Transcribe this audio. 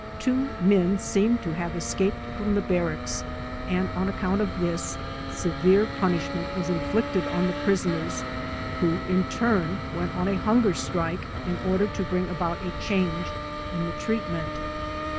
Two men seemed to have escaped from the Barracks and on account of this, severe punish ment was inflicted on the prisoners who in turn went on a hunger strike in order to bring about a change in the treatment.